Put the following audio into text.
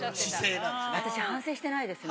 私、反省してないですね。